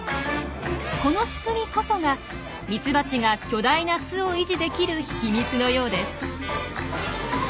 この仕組みこそがミツバチが巨大な巣を維持できる秘密のようです。